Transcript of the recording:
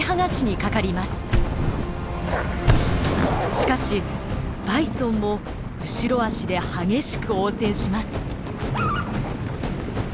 しかしバイソンも後ろ足で激しく応戦します。